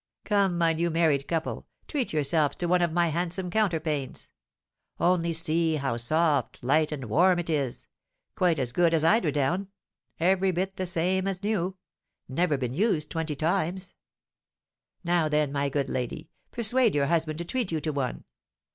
"Come, my new married couple, treat yourselves to one of my handsome counterpanes. Only see how soft, light, and warm it is, quite as good as eider down, every bit the same as new, never been used twenty times. Now, then, my good lady, persuade your husband to treat you to one.